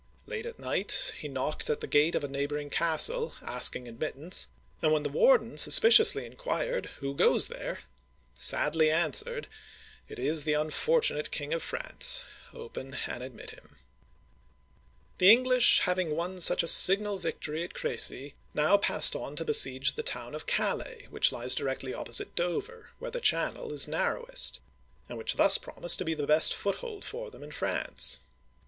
Late at night, he knocked at the gate of a neighboring castle, asking admit tance, and when the warden suspiciously inquired, " Who goes there ?" sadly answered, " It is the unfortunate King of France ; open and admit him !" The English, having won such a signal victory at Cr6cy, now passed on to besiege the town of Calais (cal 'a, or, ca lg'), which lies directly opposite Do'ver, where the Channel is narrowest, and which thus promised the best foothold for them in France.